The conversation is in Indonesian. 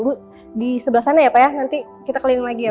bu di sebelah sana ya pak ya nanti kita keliling lagi ya